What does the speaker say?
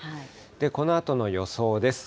このあとの予想です。